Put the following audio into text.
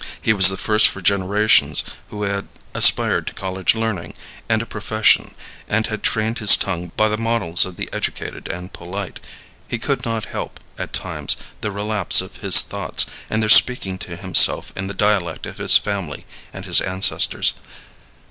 He was the first for generations who had aspired to college learning and a profession, and had trained his tongue by the models of the educated and polite. He could not help, at times, the relapse of his thoughts, and their speaking to himself in the dialect of his family and his ancestors.